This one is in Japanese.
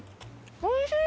おいしい！